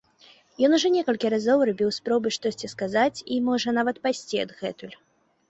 Ён ужо некалькі разоў рабіў спробы штосьці сказаць і, можа, нават пайсці адгэтуль.